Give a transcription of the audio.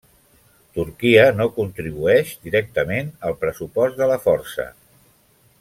Turquia no contribueix directament al pressupost de la força.